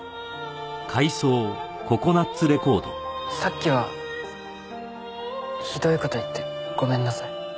さっきはひどい事言ってごめんなさい。